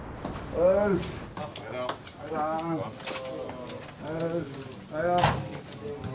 おはよう。